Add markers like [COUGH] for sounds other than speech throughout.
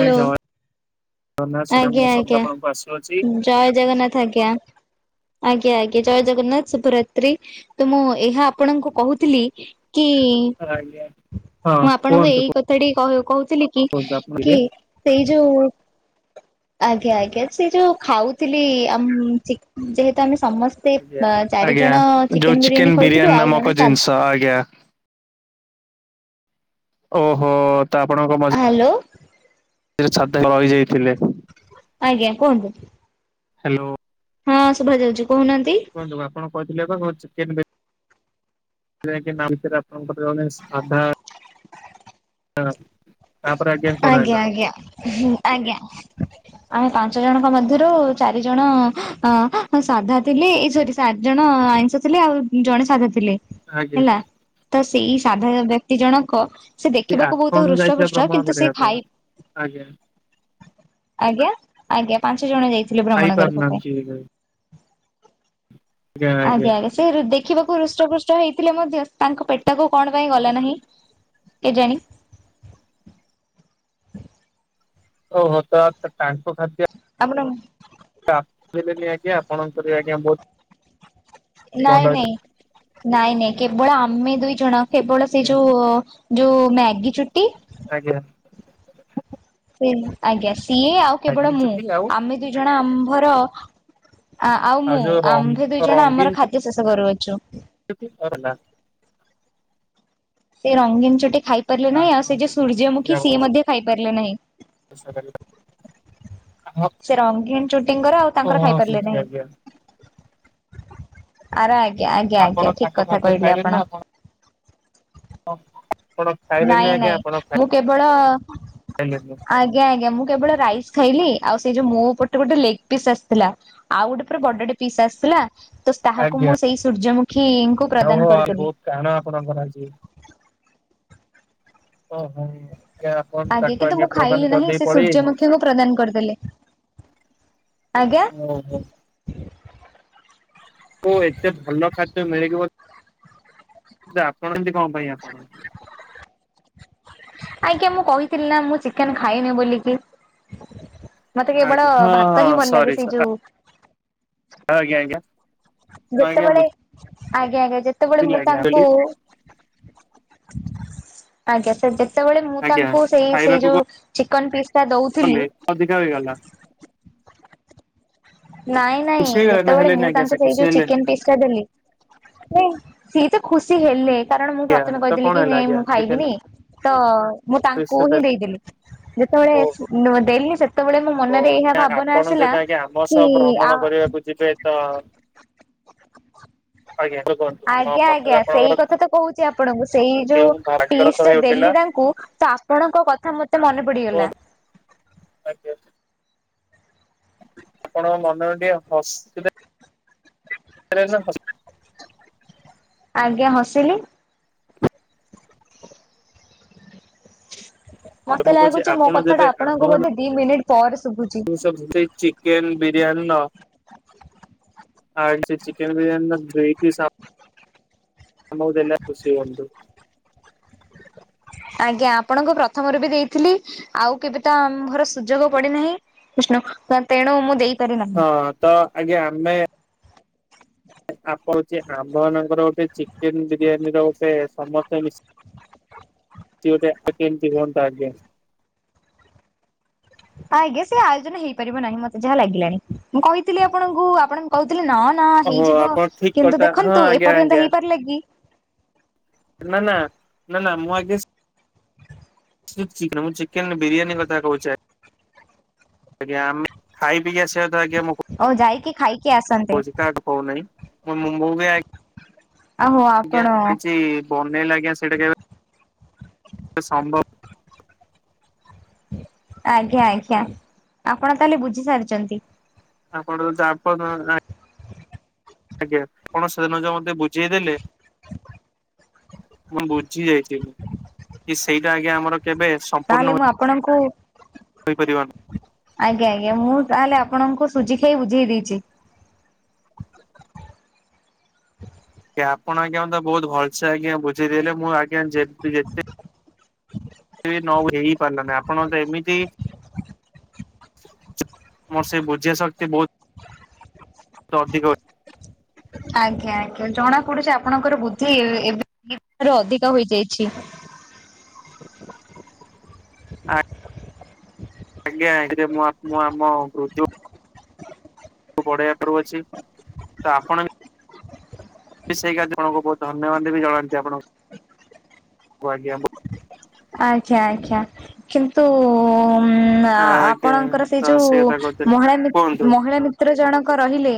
ଆଜ୍ଞା ଜୟ ଜଗନ୍ନାଥ ସୁଦାମ ଆଜ୍ଞା ମୋ ଆଜ୍ଞା ଶବ୍ଦ ଆପଣଙ୍କୁ ଆସୁଅଛି। ଜୟ ଜଗନ୍ନାଥ ଆଜ୍ଞା। ଆଜ୍ଞା ଆଜ୍ଞା ଜୟ ଜଗନ୍ନାଥ ଶୁଭରାତ୍ରୀ ତ ମୁଁ ଏହା ଆପଣଙ୍କୁ କହୁଥିଲି। କି ଆଜ୍ଞା ହଁ ମୁଁ ଆପଣଙ୍କୁ କୁହନ୍ତୁ ଏଇ କଥାଟି କହୁଥିଲି କି କୁହନ୍ତୁ ଆପଣ କି। ଏବେ ସେଇ ଯୋଉ ଆଜ୍ଞା ଆଜ୍ଞା ସେ ଯୋଉ ଖାଉଥିଲି ଆମ ଚି ଯେହେତୁ ଆମେ ସମସ୍ତେ। ଆଜ୍ଞା। ସେ ଚାରି ଆଜ୍ଞା ଜଣ ଚିକେନ ବିରିୟାନୀ ଖାଉଥିଲୁ ଆଉ ଜଣେ ସା ସ ଆଜ୍ଞା। ଓହୋ ତ ଆପଣଙ୍କ ମଝି ହ୍ୟାଲୋ ସେ ଯୋଉ ଛାତ ତଳେ ରହିଯାଇଥିଲେ। ଆଜ୍ଞା କୁହନ୍ତୁ। ହ୍ୟାଲୋ। ହଁ ଶୁଭା ଯାଉଛି କହୁନାହାନ୍ତି। ଯୋଉ ଆପଣ କହିଥିଲେ କଣ ଚିକେନ [INAUDIBLE] [UNINTELLIGIBLE] ଆପଣଙ୍କର [UNINTELLIGIBLE] ସାଧା ଆ। ଆଜ୍ଞା ଆଜ୍ଞା ହୁଁ ଆଜ୍ଞା। ଆମେ ପାଞ୍ଚ ଜଣଙ୍କ ମଧ୍ୟରୁ ଚାରି ଜଣ ଆଁ ଆଁ ସାଧା ଥିଲେ ଏ ସରି ସାରି ଜଣ ଆଇଁଷ ଥିଲେ। ଆଉ ଜଣେ ସାଧା ଥିଲେ। ଆଜ୍ଞା ହେଲା ତ ସେଇ ସାଧା ବ୍ୟକ୍ତି ଜଣକ ସେ ଦେଖିବାକୁ ବହୁତ ଆଠଗଣ ହୃଷ୍ଟ ଯାଇଥିଲା ପୃଷ୍ ଭ୍ରମଣ କିନ୍ତୁ ସେ କରିବା ପାଇଁ ଖାଇ ଆଜ୍ଞା ଆଜ୍ଞା ଆଜ୍ଞା ପାଞ୍ଚ ଜଣ ଯାଇ ଥିଲେ ଖାଇ ଭ୍ରମଣ କରିବା ପାଇଁ। ପାରୁନାହାନ୍ତି ଏବେ। ଆଜ୍ଞା ଆଜ୍ଞା। ସେ ଦେଖିବାକୁ ହୃଷ୍ଟପୃଷ୍ଟ ହେଇଥିଲେ ମଧ୍ୟ ତାଙ୍କ ପେଟକୁ କଣ ପାଇଁ ଗଲା ନାହିଁ? କେଜାଣି? ହଁ ଓହୋ ତ ଟାଙ୍କ [UNINTELLIGIBLE] ଆପଣମ୍ ସେ ଆସିଲେନି ଆଜ୍ଞା ଆପଣଙ୍କର ଆଜ୍ଞା ବହୁତ ଭଲ ନାଇଁ ହେଇଥିଲା। ନାଇଁ ନାଇଁ ନାଇଁ କେବଳ ଆମେ ଦୁଇ ଜଣ କେବଳ ସେ ଆଜ୍ଞା ଯୋଉ ଯୋଉ ମ୍ୟାଗି ଚୁଟି। ଆଜ୍ଞା। ଆଜ୍ଞା ସିଏ ଆଉ କେବଳ ନାଗି ମୁଁ ଚୁଟି ଆଉ ଆମେ ଦୁଇ ଜଣ ଆମ୍ଭର ଆ ଆଉ ମୁଁ ଯୋଉ ରଙ୍ଗ ଆମ୍ଭେ ଦୁଇ ଜଣ ରଙ୍ଗୀନ ଆମର ଖାଦ୍ୟ ଶେଷ କରୁଅଛୁ। [INAUDIBLE] ସେ ରଙ୍ଗୀନ ଚୁଟି ଖାଇ ପାରିଲୁ ନାହିଁ ଆଉ ସେ ଆଜ୍ଞା ଯୋଉ ସୂର୍ଯ୍ୟମୁଖୀ ସିଏ ମଧ୍ୟ ଖାଇପାରିଲୁ ନାହିଁ। ଓଷା କରିବା। ସେ ରଙ୍ଗୀନ ଚୁଟିଙ୍କର ଆଉ ତାଙ୍କର ଖାଇ ପାରିଲେ ନାହିଁ। ଆରା ଆଜ୍ଞା ଆଜ୍ଞା। ଆଜ୍ଞା ଆପଣ ଠିକ ତାଙ୍କ କଥା ଖାଦ୍ୟ କହିଲେ ଆପଣ। ଖାଇଲେଣି ନା ଆପଣ ଅ ନାଇଁ ନାଇଁ ମୁଁ କେବଳ ଖାଇଲେନି ଆଜ୍ଞା ଆଜ୍ଞା ମୁଁ କେବଳ ରାଇସ୍ ଖାଇଲି ଆଉ ସେଇ ଯୋଉ ମୋ ପଟେ ଗୋଟେ ଲେଗ ପିସ୍ ଆସିଥିଲା ଆଉ ଗୋଟେ ପୁରା ବଡଟେ ପିସ୍ ଆସିଥିଲା। ତ ତାହାକୁ ମୁଁ ଆଜ୍ଞା ସେଇ ସୂର୍ଯ୍ୟମୁଖୀଙ୍କୁ ପ୍ରଦାନ ଓହୋ ଆଜି କରିଦେଲି। ବହୁତ କାଣ ଆପଣଙ୍କର ଅଜି। ଓହୋ ଆଜ୍ଞା ଆପଣ ତାକୁ କିନ୍ତୁ ମୁଁ ଆଜ୍ଞା ଖାଇଲି ପ୍ରଦାନ ନାହିଁ କରିଦେଇ ସେ ପଳେଇ ଆସିଲେ। ସୂର୍ଯ୍ୟମୁଖୀଙ୍କୁ ପ୍ରଦାନ କରିଦେଲେ। ଆଜ୍ଞା ମୁଁ ହୁଁ। କୋଉ ଏତେ ଭଲ ଖାଦ୍ୟ ମିଳିଯିବ ଆପଣ ଏନ୍ତି କଣ ପାଇଁ କରନ୍ତି। ଆଜ୍ଞା ମୁଁ କହିଥିଲି ନା ମୁଁ ଚିକେନ ଖାଏନି ବୋଲିକି। ମୋତେ କେବଳ ଆଜ୍ଞା ହଁ ଭାତ ହଁ ହିଁ ଭଲ ସରି ଲାଗେ ସେଇ ଯୋଉ ଆଜ୍ଞା ଆଜ୍ଞା। ମୁଁ ଆଜ୍ଞା ଯେତେବେଳେ ଆଜ୍ଞା ଆଜ୍ଞା ଯେତେବେଳେ ବୁଝିଲି ମୁଁ ଆଜ୍ଞା ତାଙ୍କୁ ଆଜ୍ଞା ସେ ଯେତେବେଳେ ମୁଁ ଆଜ୍ଞା ତାଙ୍କୁ ସେଇ ସେଇ ଖାଇବାକୁ ଯୋଉ ଚିକନ ପିସ୍ ଟା ଦଉଥିଲି କଲେ ଅଧିକା ହୋଇଗଲା। ନାଇଁ ନାଇଁ, ଖୁସି ହେଇଗଲା ନା ଯେତେବେଳେ ହେଲେନି ମୁଁ ଆଜ୍ଞା ସେ ତାଙ୍କର ସେଇ ଖୁସି ଯୋଉ ଚିକେନ ହେଲେନି ପିସ୍ ଦେଲି ନାଇଁ, ସିଏ ତ ଖୁସି ହେଲେ। କାରଣ ମୁଁ ଆଜ୍ଞା ପ୍ରଥମେ ତ କହିଥିଲି କଣ କି, ହେଲା ନାଇଁ, ଆଜ୍ଞା ମୁଁ ଚିକେନ ଖାଇବିନି ତ। ମୁଁ ତାଙ୍କୁ ହିଁ ଦେଇଥିଲି। ଯେତେବେଳେ ଓହୋ ନ ଦେଲି, ସେତେବେଳେ ମୋ ମନରେ ଏହା ଭାବନା ଆସିଲା। ତମ କି ସହ ଆ ଭ୍ରମଣ କରିବାକୁ ଯିବେ ତ। ଆଜ୍ଞା କୁହନ୍ତୁ [INAUDIBLE] ମୋ ଆଜ୍ଞ ମନରେ ଆଜ୍ଞା ସେ ଆପଣଙ୍କର କଥା କହୁଛି ଆପଣଙ୍କୁ। ସେ ଯୋଉ କେଉଁ ଭାଗ୍ୟର ପିସ୍ ତ ଟା ହେଇ ଉଠିଲା ଦେଲି ତାଙ୍କୁ ତ ଆପଣଙ୍କ କଥା ମତେ ମନେ ପଡିଗଲା। [INAUDIBLE] ଆପଣଙ୍କ ମନରେ ଟିକେ ହସିଲେ। [INAUDIBLE] ଆଜ୍ଞା ହସିଲି। ମତେ ମୁଁ କହୁଛି ଲାଗୁଛି, ମୋ ଆପଣ କଥା ଯେବେ ଟା ଆମ ଆପଣଙ୍କୁ ବୋଧେ ଦି ମିନିଟ୍ ପରେ ଶୁଭୁଛି। ଯଦି ଚିକେନ ବିରିୟାନୀ ର [UNINTELLIGIBLE] ଚିକେନ ବିରିୟାନୀ ର [UNINTELLIGIBLE] ଆମକୁ ଦେଲା ଖୁସିହେଇଗଲୁ। ଆଜ୍ଞା, ଆପଣଙ୍କୁ ପ୍ରଥମରୁ ବି ଦେଇଥିଲି। ଆଉ କେବେ ତ ଆମ ଘର ସୁଯୋଗ ପଡିନାହିଁ। ବିଷ୍ଣୁ, ତେଣୁ ମୁଁ ଦେଇ ହଁ, ତ ଆଜ୍ଞା ଆମେ ଆପଣ ଯେ ଆମ୍ଭମାନଙ୍କର ଗୋଟେ ଚିକେନ ବିରିୟାନୀ ର ଗୋଟେ ସମସ୍ତେ ମିଶି [INAUDIBLE] [UNINTELLIGIBLE] ହୁଅନ୍ତା ଆଜ୍ଞା। ଆଜ୍ଞା, ସେ ଆୟୋଜନ ହେଇପାରିବ ନାହିଁ ମତେ ଯାହା ଲାଗିଲାଣି। ମୁଁ କହିଥିଲି ଆପଣଙ୍କୁ ଆପଣ କହୁଥିଲେ, ନନ୍ ନା, ଓହୋ ହେଇଯିବ, ଆପଣ ଠିକ କିନ୍ତୁ କଥା ହଁ ଦେଖନ୍ତୁ, ଆଜ୍ଞା ଏପର୍ଯ୍ୟନ୍ତ ଆଜ୍ଞା ହେଇପାରିଲେ କି? ନା, ନା, ନା, ନା ମୁଁ ଆଜ୍ଞା ସେ ସେ ଚିକେନ ମୁଁ ଚିକେନ ବିରିୟାନୀ କଥା କହୁଚେ ଆଜ୍ଞା, ଆମେ ଖାଇ ପିଇ ଆସିବା କଥା ମୁଁ ଓ ଯାଇକି ଖାଇକି ଆସନ୍ତେ। ହଉ ନାହିଁ, ମୁଁ ବି ଆହୋ ଆଜ୍ଞା ଆପଣ କିଛି। ବନେଇଲେ ଆଜ୍ଞା ସେଇଟା କେବେ [INAUDIBLE] ସମ୍ଭବ। ଆଜ୍ଞା, ଆଜ୍ଞା ଆପଣ ତାହେଲେ ବୁଝି ସାରିଛନ୍ତି। ଆପଣ ଯଦି ଆପଣ [UNINTELLIGIBLE] ଆଜ୍ଞା, ସେଦିନ ଯୋଉ ମତେ ବୁଝେଇଦେଲେ। ମୁଁ ବୁଝି ଯାଇଚି, କି ସେଇଟା ଆଜ୍ଞା ଆମର କେବେ ଆ ତାହେଲେ ମୁଁ ଆପଣଙ୍କୁ [UNINTELLIGIBLE] ଆଜ୍ଞା, ଆଜ୍ଞା, ମୁଁ ତାହେଲେ ଆପଣଙ୍କୁ ସୁଜି ଖାଇ ବୁଝେଇ ଦେଇଛି। ଆପଣ ଆଜ୍ଞା, ମତେ ବହୁ ଭଲସେ ଆଜ୍ଞା ବୁଝିଦେଲେ। ମୁଁ [INAUDIBLE] ନ, ହେଇ ପାରିଲାନି। ଆପଣ ମତେ ଏମିତି ମୋର ସେଇ ବୁଝିବା ଶକ୍ତି ବହୁତ [INAUDIBLE] ଅଧିକ ଅଛି। ଆଜ୍ଞା ଆଜ୍ଞା, ଜଣା ପଡୁଛି ଆପଣଙ୍କର ବୁଦ୍ଧି ଏବେ ଅଧିକା ହୋଇଯାଇଛି। ଆଜ୍ଞା, ଆଜ୍ଞା ମୁଁ ଆମ [UNINTELLIGIBLE] ଅଛି ତ ଆପଣ ସେଇ ଜଣଙ୍କୁ ବହୁତ ଧନ୍ୟବାଦ ବି ଜଣାନ୍ତି ଆପଣ, ଆଜ୍ଞା। ଆଜ୍ଞା ଆଜ୍ଞା କିନ୍ତୁ ଉଁ ଆଜ୍ଞା ଆପଣଙ୍କର ସେଇ ତ ଯୋଉ ସେ କଥା କହୁଥିଲି ମହିଳା ମି ମହିଳା କୁହନ୍ତୁ ମି ମହିଳା ଭିତରୁ ଜଣକ ରହିଲେ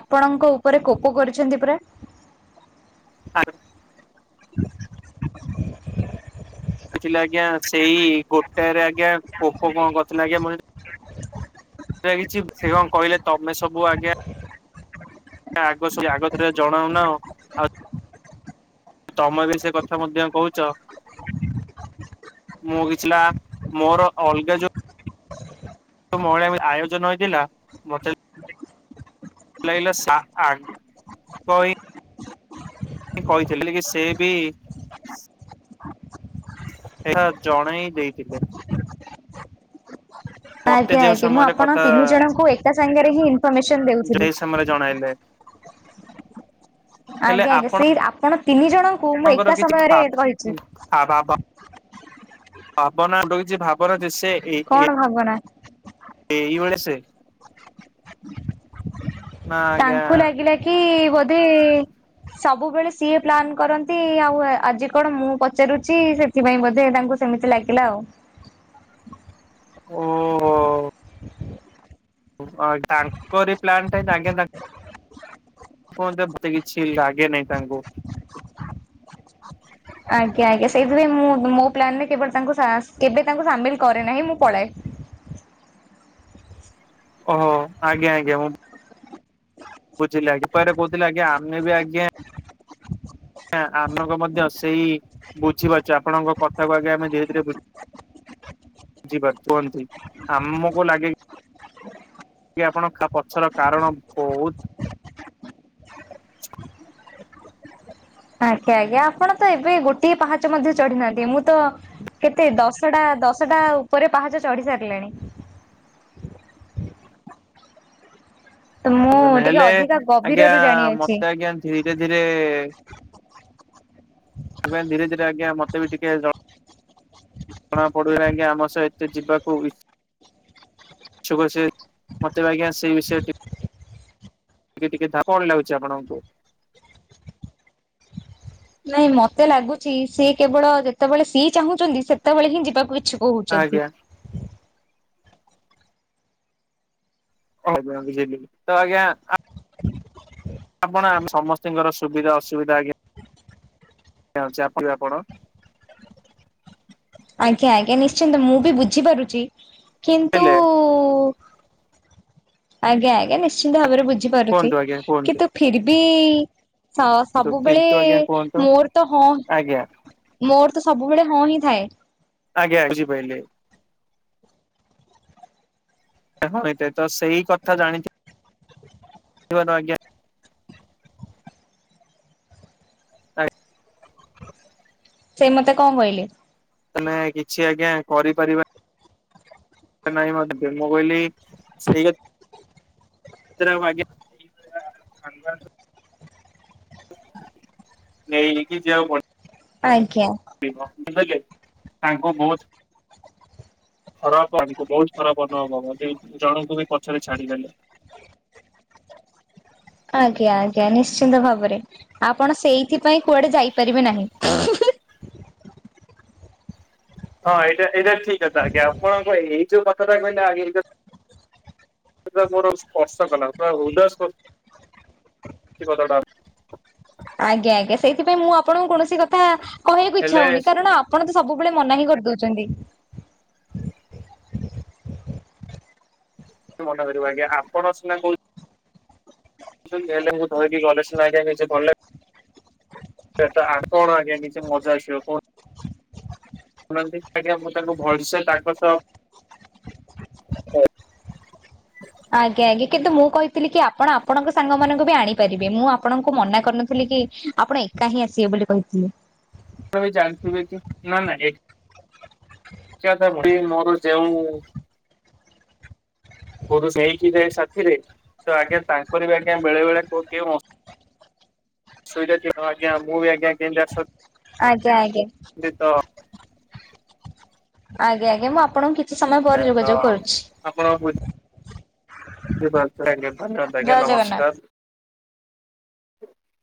ଆପଣଙ୍କ ଉପରେ କୋପ କରୁଛନ୍ତି ପରା। ଆଜ୍ଞା [INAUDIBLE] ପାଚିଲା ଆଜ୍ଞା ସେଇ ଗୋଟାରେ ଆଜ୍ଞା ପୋକ କଣ କରିଥିଲା ଆଜ୍ଞା। କିଛି ସେ କଣ କହିଲେ ତମେ ସବୁ ଆଜ୍ଞା। ଆଗ ସିଏ ଆଗତୁରା ଜଣାଉନା ଆଉ। ତମେ ବି ସେ କଥା ମଧ୍ୟ କହୁଛ। ମୁଁ କିଛିଲା ମୋର ଅଲଗା ଯୋଉ ମହିଳା ଆୟୋଜନ ହେଇଥିଲା ମତେ ଲାଗିଲା ସା ଆ ଟଇ କହିଥିଲି କି ସେ ବି ସେଟା ଜଣେଇ ଦେଇଥିଲେ। ମତେ ଆଜ୍ଞା ଯେଉଁ ଆଜ୍ଞା ମୁଁ ସମୟରେ ଆପଣ କଥା ତିନି ଜଣଙ୍କୁ ଏକା ସାଙ୍ଗରେ ହିଁ ଇନଫମେସନ ଦେଉଥିଲି। ଜଣେଇଲେ। ଆଜ୍ଞା ଆଜ୍ଞା ସେଇ ଆପଣ ତିନି ଜଣଙ୍କୁ ମୁଁ ଆପଣଙ୍କର ଏକା କିଛି ସମୟରେ କହିଛି। ଆ ବା ବା ଭାବନା ଦଉଛି ଭାବର ଯେ ସେ ଇ ଇ। କଣ ଭାବନା। ଏ ଇ ବଳ ସେ ନା ଆଜ୍ଞା ତାଙ୍କୁ ଲାଗିଲା କି ବୋଧେ। ସବୁବେଳେ ସିଏ ପ୍ଲାନ୍ କରନ୍ତି ଆଉ ଆଜି କଣ ମୁଁ ପଚାରୁଚି ସେ ସେଥିପାଇଁ ବୋଧେ ତାଙ୍କୁ ସେମିତି ଲାଗିଲା ଆଉ। ଓହୋ। ଓ ତାଙ୍କରି ପ୍ଲାନଟା ସାଙ୍ଗେ ତା କୁହନ୍ତି ମତେ କିଛି ଲାଗେ ନାହିଁ ତାଙ୍କୁ। ଆଜ୍ଞା ଆଜ୍ଞା ସେଇଥିଲାଗି ମୁଁ ମୋ ପ୍ଲାନରେ କେବଳ ତା କେବେ ତାଙ୍କୁ ସାମିଲ କରେ ନାହିଁ ମୁଁ ପଳାଏ। ଓହୋ ଆଜ୍ଞା ଆଜ୍ଞା ମୁଁ। ବୁଝିଲି ଆଜ୍ଞା କୁଆଡେ କହୁଥିଲେ ଆମେ ବି ଆଜ୍ଞା। ଆ ଆମଙ୍କ ମଧ୍ୟ ସେଇ ବୁଝିପାରୁଛୁ ଆପଣଙ୍କ କଥାକୁ ଆଗେ ଆମେ ଧୀରେ ଧୀରେ ବୁ ବୁଝିପାରୁଛୁ କୁହନ୍ତି ଆମକୁ ଲାଗେ। କି ଆପଣ ପଛର କାରଣ ବହୁତ। ଆଜ୍ଞା ଆଜ୍ଞା ଆପଣ ତ ଏବେ ଗୋଟିଏ ପାହାଚ ମଧ୍ୟ ଚଢିନାହାନ୍ତି ମୁଁ ତ। କେତେ ଦଶଟା ଦଶଟା ଉପରେ ପାହାଚ ଚଢି ସାରିଲିଣି। ତ ମୁଁ ନ ଟିକେ ହେଲେ ଅଧିକା ଆଜ୍ଞା ଗଭୀରରୁ ଜାଣିଅଛି। ମତେ ଆଜ୍ଞା ଧୀରେ ଧୀରେ ଆମେ ଧୀରେ ଧୀରେ ଆଜ୍ଞା ମତେ ଟିକେ ଦ ଜଣା ପଡୁନାହିଁ ଆମ ସହ ଏତେ ଯିବାକୁ କି ଷକୁ ସେ ମତେ ଆଜ୍ଞା ସେଇ ବିଷୟ ଟିକେ ଟିକେ ଟିକେ ଧା କଣ ଲାଗୁଛି ଆପଣଙ୍କୁ। ନାଇଁ ମତେ ଲାଗୁଛି ସିଏ କେବଳ ଯେତେବେଳେ ସିଏ ଚାହୁଁଛନ୍ତି ସେତେବେଳେ ହିଁ ଯିବାକୁ ଇଚ୍ଛୁ କହୁଛନ୍ତି। ଆଜ୍ଞା କହୁଛନ୍ତି ସେ ଯୋଗୁ ତ ଆଜ୍ଞା ଆ ଆପଣ ଆ ସମସ୍ତିଙ୍କର ସୁବିଧା ଅସୁବିଧା ଆଜ୍ଞା। ଅଛି ଆକଟିବା ପଣ। ଆଜ୍ଞା ଆଜ୍ଞା ନିଶ୍ଚିନ୍ତ ମୁଁ ବି ବୁଝିପାରୁଛି କିନ୍ତୁ ହେଲେ ଆଜ୍ଞା ଆଜ୍ଞା ନିଶ୍ଚିନ୍ତ ଭାବରେ ବୁଝିପାରୁଛି କୁହନ୍ତୁ ଆଜ୍ଞା କୁହନ୍ତୁ କିନ୍ତୁ ଫିର ବି ଛ ସବୁବେଳେ କିନ୍ତୁ ଆଜ୍ଞା କୁହନ୍ତୁ। ମୋର ତ ହଁ। ଆଜ୍ଞା ମୋର ତ ସବୁବେଳେ ହଁ ହିଁ ଥାଏ। ଆଜ୍ଞା ବୁଝିପାଇଲେ। ଆରେ ହଁ ଏଇଟା ତ ସେଇ କଥା ଜାଣିଥିବ ତ ଆଜ୍ଞା। ଆ ସେ ମତେ କଁ କହିଲେ? ତମେ କିଛି ଆଜ୍ଞା କରିପାରିବା ନାହିଁ ବଟ୍ [UNINTELLIGIBLE] ମୁଁ କହିଲି ସେଇଆ [UNINTELLIGIBLE] ଆଜ୍ଞା [INAUDIBLE] ନେଇକି ଯିବାକୁ ପଡି ଆଜ୍ଞା। ରିବ ବୁଝିପାଇଲେ ତାଙ୍କୁ ବୋହୁତ ଖରାପ [UNINTELLIGIBLE] ବୋହୁତ ଖରାପ ଅନୁଭବ ହବ [UNINTELLIGIBLE] ଜଣୁଙ୍କୁ ବି ପଛେରେ ଛାଡିଦେଲେ। ଆଜ୍ଞା ଆଜ୍ଞା ନିଶ୍ଚିନ୍ତ ଭାବରେ ଆପଣ ସେଇଥିପାଇଁ କୁଆଡେ ଯାଇପାରିବେ ନାହିଁ। ହଁ ଏଇଟା ଏଇଟା ଠିକ୍ କଥା ଆଜ୍ଞା ଆପଣଙ୍କ ଏଇ ଏଇ ଯୋଉ କଥାଟା କହିଲେ ଆଗେ ଏଇ ଯୋଉ ସେଟା ମୋର ସ୍ପର୍ଶ କଲା ପୁରା ହୃଦୟ ସ୍ପ ସେଇ କଥାଟା। ଆଜ୍ଞା ଆଜ୍ଞା ସେଇଥିପାଇଁ ମୁଁ ଆପଣୁଙ୍କୁ କୌଣସି କଥା କହିଆକୁ ଇଚ୍ଛା ହେଲେ ହଉନି କାରଣ ଆ ପଣ ତ ସବୁବେଳେ ମନା ହିଁ କରିଦଉଛନ୍ତି। ମନ କରିବ ଆଜ୍ଞା ଆପଣ ସିନା କଉ ଛନ୍ତି ହେଲେ ମୁଁ ଧରକି ଗଲେ ସିନା ଆଜ୍ଞା [UNINTELLIGIBLE] ସେଟା ଆପଣ ଆଜ୍ଞା କିଛି ମଜା ଆସିବ କ ହୁନାନ୍ତି ଆଜ୍ଞା ମୁଁ ତାଙ୍କୁ ଭଲ ସେ ତାଙ୍କ ସହ ଆଜ୍ଞା ଆଜ୍ଞା କିନ୍ତୁ ମୁଁ କହିଥିଲି କି ଆପଣ ଆପଣଙ୍କ ସାଙ୍ଗମାନଙ୍କୁ ବି ଆଣି କରିବେ ମୁଁ ଆପଣଙ୍କୁ ମନା କରିନଥିଲି କି ଆପଣ ଏକା ହିଁ ଆସିବେ ବୋଲି କହିଥିଲି। ଆପଣ ବି ଜାଣିଥିବେ କି ନା ନା [UNINTELLIGIBLE] ମୋର ଯେଉଁ [UNINTELLIGIBLE] ସାଥିରେ ତ ଆଜ୍ଞା ତାଙ୍କର ବି ଆଜ୍ଞା ବେଳେ ବେଳେ କୋଉ କେଉଁ ସୁବିଧା କି ହବ ଆଜ୍ଞା ମୁଁ ବି ଆଜ୍ଞା କେମତି ଆ [UNINTELLIGIBLE] ଆଜ୍ଞ ଆଜ୍ଞା। ଗୀତ ଆଜ୍ଞା ଆଜ୍ଞା ମୁଁ ଆପଣଙ୍କୁ କି ଏଇଆ ତ ଆଉ ଆପଣଙ୍କ ବୁଝ ଝିପାରୁଛ ଆଜ୍ଞା ଧନ୍ୟବାଦ୍ ଆଜ୍ଞା ଜୟ ଜଗନ୍ନାଥ। ‌ନମସ୍କାର।